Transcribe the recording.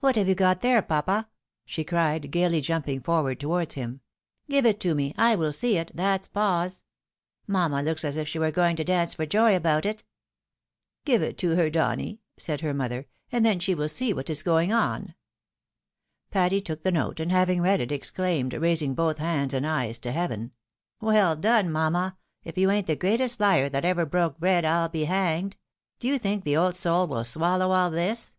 "What have you got there, papa?" she cried, gaily, jumping forward towards him. " Give it to me,' I will see it, that's poz. Mamma looks as if she were going to dance for joy about it." " Give it to her, Donny," said her mother, " and then she win see what is going on." PATTY MAKES A STIPULATIOlSr. 157 Patty took the note, and having read it, exclaimed, raising both hands and eyes to heaven, " Well done, mamma ! If you aia't the greatest Uar that ever broke bread, I'll be hanged. Do you think the old soulvrill swallow all this